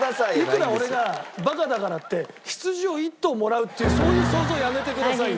いくら俺がバカだからって羊を１頭もらうっていうそういう想像やめてくださいよ。